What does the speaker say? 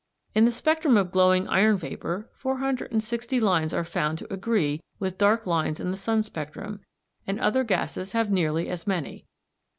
In the spectrum of glowing iron vapour 460 lines are found to agree with dark lines in the sun spectrum, and other gases have nearly as many.